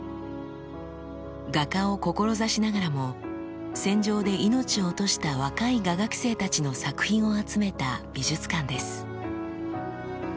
画家を志しながらも戦場で命を落とした若い画学生たちの作品を集めた美術館です。